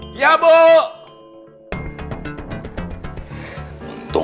dia jatuh siang